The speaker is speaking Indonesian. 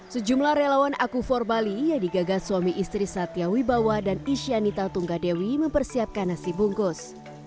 sejumlah relawan aku empat bali yang digagal suami istri satya wibawa dan isyani taltunggadewi mempersiapkan nasi bungkus